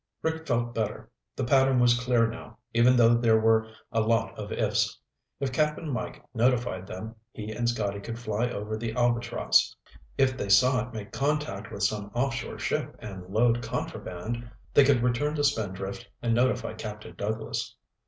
Rick felt better. The pattern was clear now, even though there were a lot of "ifs." If Cap'n Mike notified them, he and Scotty could fly over the Albatross. If they saw it make contact with some offshore ship and load contraband, they could return to Spindrift and notify Captain Douglas.